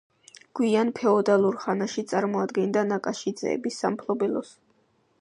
გვიან ფეოდალურ ხანაში წარმოადგენდა ნაკაშიძეების სამფლობელოს.